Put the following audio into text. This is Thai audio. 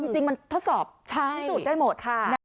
จริงมันทดสอบพิสูจน์ได้หมดค่ะ